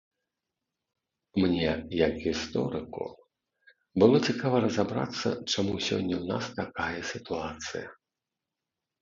Мне, як гісторыку, было цікава разабрацца, чаму сёння ў нас такая сітуацыя.